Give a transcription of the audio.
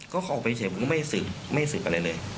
ก็เข้าออกไปเฉยมันก็ไม่สืบไม่สืบไปเลยเลย